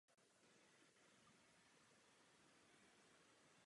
Pyl ze samčích květů na samičí přenášejí včely a jiný létající hmyz.